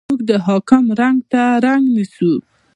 موږ د حاکم رنګ ته رنګ نیسو.